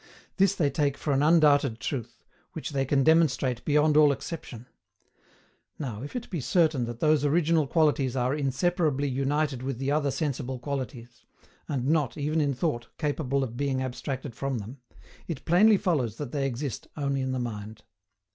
This they take for an undoubted truth, which they can demonstrate beyond all exception. Now, if it be certain that those original qualities ARE INSEPARABLY UNITED WITH THE OTHER SENSIBLE QUALITIES, and not, even in thought, capable of being abstracted from them, it plainly follows that they exist only in the mind.